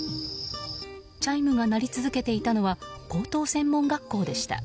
チャイムが鳴り続けていたのは高等専門学校でした。